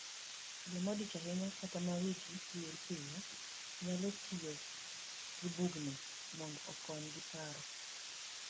Joma odich ahinya kata ma wigi wil piyo, nyalo tiyo gibugni mondo okonygi paro